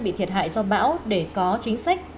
bị thiệt hại do bão để có chính sách